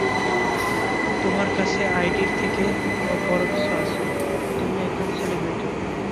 তোমার কাছে আইডির থেকে ও বড় কিছু আছে, তুমি একজন সেলিব্রিটি!